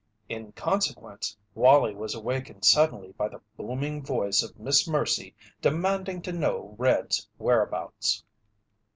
In consequence, Wallie was awakened suddenly by the booming voice of Miss Mercy demanding to know Red's whereabouts.